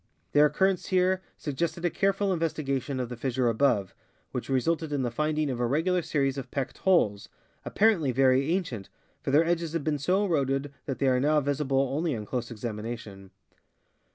Their occurrence here suggested a careful investigation of the fissure above, which re sulted in the finding of a regular series of pecked holes, appar. ently very ancient, for their edges had been so eroded that they are now visible only on close examination.